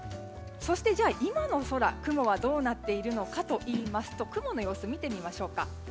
今の空、雲はどうなっているかといいますと雲の様子を見てみましょうか。